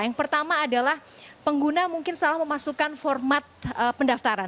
yang pertama adalah pengguna mungkin salah memasukkan format pendaftaran